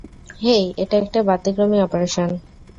হেই, এটা একটা ব্যতিক্রমী অপারেশন।